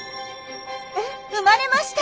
生まれました！